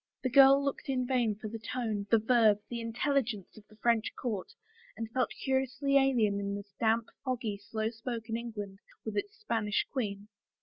The girl looked in vain for the tone, the verve, the intelligence of the French court and felt curiously alien in this damp, fc^gy, slow spoken England with its Spanish queen.